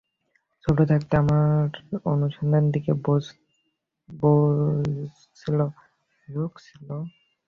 ছোট থাকতে, আমার অনুসন্ধানের দিকে ঝোঁক ছিল।